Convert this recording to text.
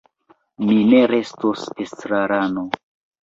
Mi ne restos estrarano.